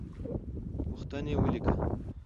پوښتنې ولیکه.